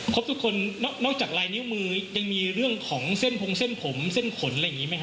ทุกคนนอกจากลายนิ้วมือยังมีเรื่องของเส้นพงเส้นผมเส้นขนอะไรอย่างนี้ไหมครับ